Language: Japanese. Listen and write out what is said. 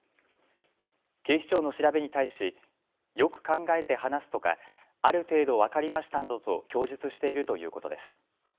警視庁の調べに対しよく考えて話すとかある程度分かりましたなどと供述しているということです。